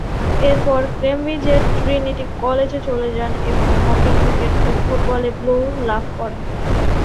এরপর কেমব্রিজের ট্রিনিটি কলেজে চলে যান এবং হকি, ক্রিকেট ও ফুটবলে ব্লু লাভ করেন।